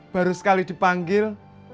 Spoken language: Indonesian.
baru sekali dipanggil